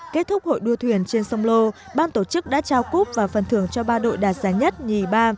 kết thúc hội đua thuyền trên sông lô ban tổ chức đã trao cúp và phần thưởng cho ba đội đạt giá nhất nhì ba